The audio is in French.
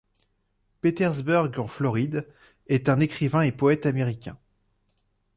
Petersburg en Floride, est un écrivain et poète américain.